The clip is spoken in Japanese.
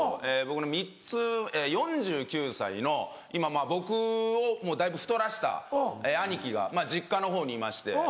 僕の３つ４９歳の僕をだいぶ太らした兄貴が実家のほうにいまして。